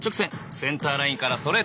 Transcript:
センターラインからそれてません。